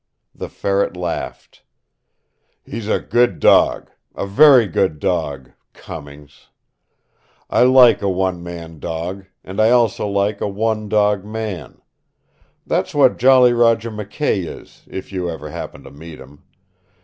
The Ferret laughed. "He's a good dog, a very good dog, Cummings. I like a one man dog, and I also like a one dog man. That's what Jolly Roger McKay is, if you ever happen to meet him.